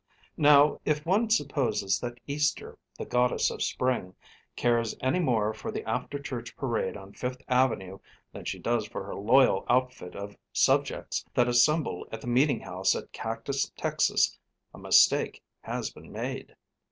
Now, if one supposes that Easter, the Goddess of Spring, cares any more for the after church parade on Fifth Avenue than she does for her loyal outfit of subjects that assemble at the meeting house at Cactus, Tex., a mistake has been made.